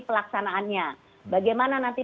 pelaksanaannya bagaimana nanti